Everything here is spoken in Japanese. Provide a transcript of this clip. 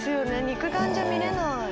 肉眼じゃ見れない。